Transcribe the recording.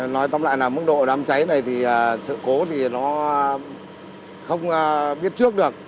nói tóm lại là mức độ đám cháy này thì sự cố thì nó không biết trước được